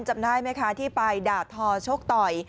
จำได้ไหมคะที่ไปด่าทอชกต่อย